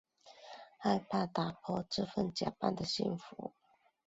害怕打破这假扮的幸福